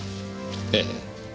ええ。